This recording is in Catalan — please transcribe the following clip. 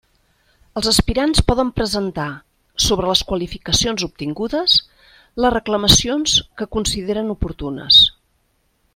Els aspirants poden presentar, sobre les qualificacions obtingudes, les reclamacions que consideren oportunes.